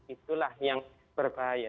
itulah yang berbahaya